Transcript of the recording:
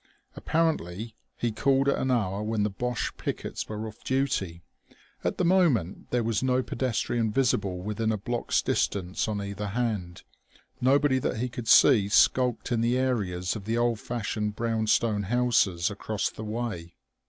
Apparently he called at an hour when the Boche pickets were off duty; at the moment there was no pedestrian visible within a block's distance on either hand, nobody that he could see skulked in the areas of the old fashioned brownstone houses across the way.